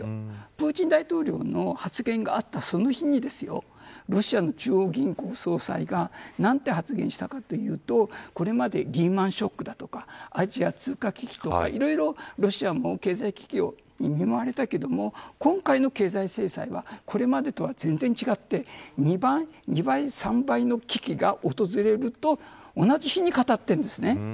プーチン大統領の発言があったその日にロシアの中央銀行総裁がなんと発言したかというとこれまでリーマン・ショックだとかアジア通貨危機とかいろいろロシアも経済危機に見舞われたけれども今回の経済制裁はこれまでとは全然違って２倍、３倍の危機が訪れると同じ日に語っているんですね。